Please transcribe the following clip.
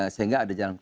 sehingga ada jalan kuat